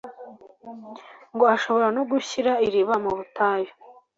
ngo ashobora no gushira iriba mu butayu